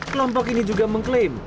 kelompok ini juga mengklaim